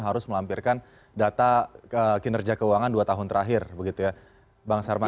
harus melampirkan data kinerja keuangan dua tahun terakhir begitu ya bang sarman